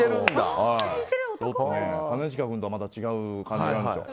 兼近君とはまた違う感じなんですよ。